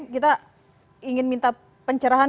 kita ingin minta pencerahan